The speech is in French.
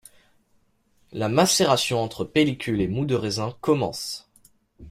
La macération entre pellicule et moût de raisin commence.